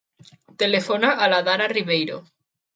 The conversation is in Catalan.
Telefona a l'Adara Riveiro.